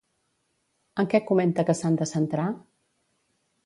En què comenta que s'han de centrar?